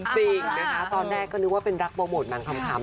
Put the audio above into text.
จริงนะคะตอนแรกก็นึกว่าเป็นรักโปรโมทหนังคำ